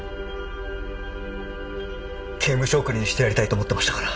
刑務所送りにしてやりたいと思ってましたから。